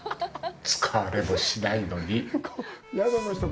使われもしないのに。